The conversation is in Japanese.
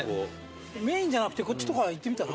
メインじゃなくてこっちとか行ってみたら？